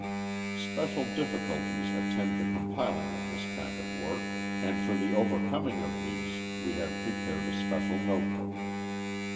Special difficulties attend the compiling of this kind of work, and for the overcoming of these we have prepared a special notebook.